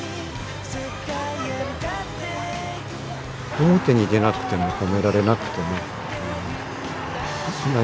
「表に出なくても、褒められなくても」っていう。